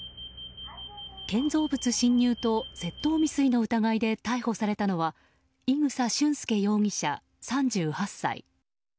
建造物侵入と窃盗未遂の疑いで逮捕されたのは伊草俊輔容疑者、３８歳。